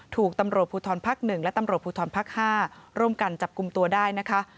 ถูกตำรวจภูทรภักดิ์๑และตำรวจภูทรภักดิ์๕ร่วมกันจับกลุ่มตัวได้นะคะ